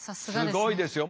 すごいですよ。